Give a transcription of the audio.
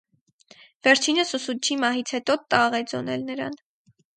Վերջինս ուսուցչի մահից հետո տաղ է ձոնել նրան։